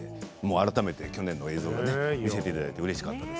改めて去年の映像を見せていただいてうれしかったです。